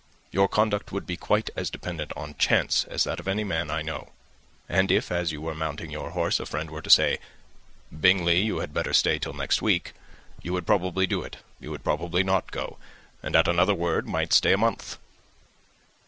Your conduct would be quite as dependent on chance as that of any man I know; and if, as you were mounting your horse, a friend were to say, 'Bingley, you had better stay till next week,' you would probably do it you would probably not go and, at another word, might stay a month."